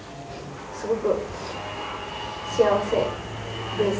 すごく幸せです。